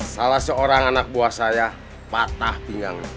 salah seorang anak buah saya patah pinggang